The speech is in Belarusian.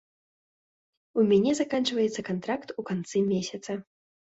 У мяне заканчваецца кантракт у канцы месяца.